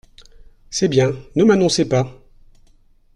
C’est bien… ne m’annoncez pas !